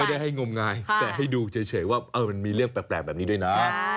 ได้ให้งมงายแต่ให้ดูเฉยว่ามันมีเรื่องแปลกแบบนี้ด้วยนะ